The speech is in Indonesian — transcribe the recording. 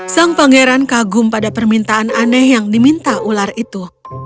sang pangeran kagum pada permintaan aneh yang diminta ular itu